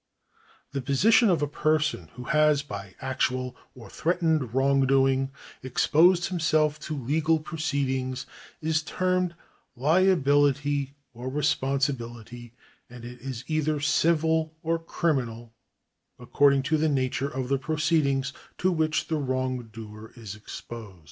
The position of a person who has, by actual or threatened wrongdoing, exposed himself to legal proceedings, is termed liability or responsibility, and it is either civil or criminal according to the nature of the proceedings to which the wrongdoer is exposed.